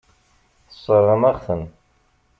Tesseṛɣem-aɣ-ten.